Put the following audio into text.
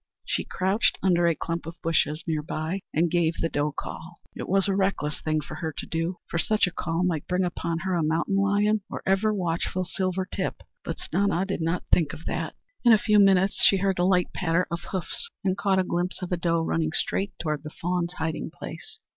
She crouched under a clump of bushes near by, and gave the doe call. It was a reckless thing for her to do, for such a call might bring upon her a mountain lion or ever watchful silver tip; but Snana did not think of that. In a few minutes she heard the light patter of hoofs, and caught a glimpse of a doe running straight toward the fawn's hiding place.